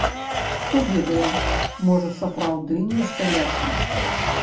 Хто ведае, можа сапраўды нешта лясне?